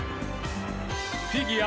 フィギュア